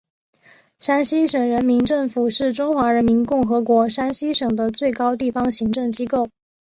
山西省人民政府是中华人民共和国山西省的最高地方行政机构。